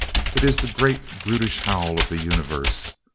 It is the great brutish howl of the universe.